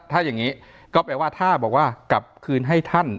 ถ้าอย่างนี้ก็แปลว่าถ้าบอกว่ากลับคืนให้ท่าน